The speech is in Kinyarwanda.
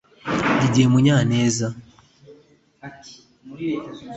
Didier Munyaneza